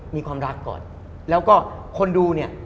มีความรักก่อนแล้วก็คนดูเนี่ย